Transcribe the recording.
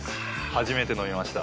初めて飲みました。